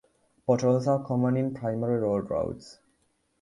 Potholes are common in primary road routes.